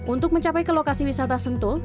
untuk mencapai ke lokasi wisata sentul